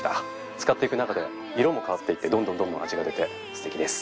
使っていく中で色も変わっていってどんどんどんどん味が出てステキです。